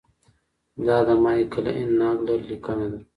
دا د مایکل این ناګلر لیکنه ده.